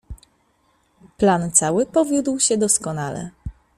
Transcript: "Plan cały powiódł się doskonale."